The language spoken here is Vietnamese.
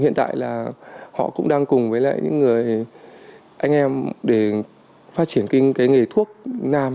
hiện tại là họ cũng đang cùng với lại những người anh em để phát triển kinh tế nghề thuốc nam